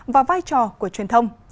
và vai trò của truyền thông